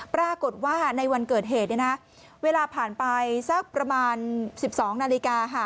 ปรากฏว่าในวันเกิดเหตุเวลาผ่านไปสักประมาณ๑๒นาฬิกา